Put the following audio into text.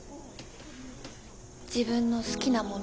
自分の好きなもの。